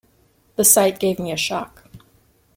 The sight gave me a shock.